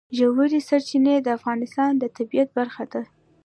ژورې سرچینې د افغانستان د طبیعت برخه ده.